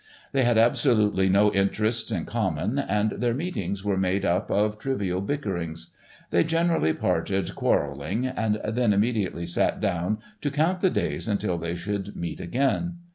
They had absolutely no interests in common, and their meetings were made up of trivial bickerings. They generally parted quarrelling, and then immediately sat down to count the days until they should meet again.